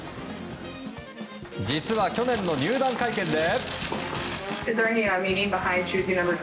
実は、去年の入団会見で。